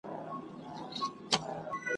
داسي بد ږغ یې هیڅ نه وو اورېدلی ,